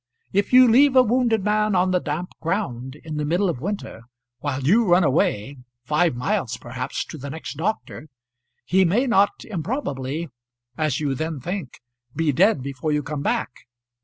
If you leave a wounded man on the damp ground, in the middle of winter, while you run away, five miles perhaps, to the next doctor, he may not improbably as you then think be dead before you come back.